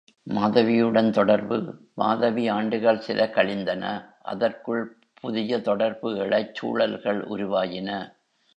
மாதவியுடன் தொடர்பு மாதவி ஆண்டுகள் சில கழிந்தன அதற்குள் புதிய தொடர்பு எழச் சூழல்கள் உருவாயின.